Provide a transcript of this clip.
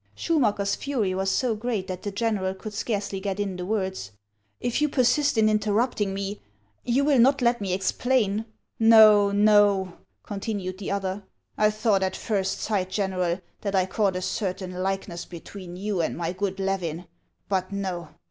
Schumacker's fury was so great that the general could scarcely get in the words :" If you persist in interrupting me — You will not let me explain —" 268 HANS OF ICELAND. " No, no !" continued the other ;" I thought at first sight, General, that I caught a certain likeness between you and my good Levin ; but no